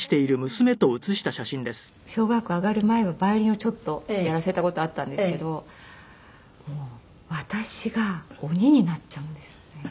昔はね小学校上がる前はヴァイオリンをちょっとやらせた事あったんですけど私が鬼になっちゃうんですよね。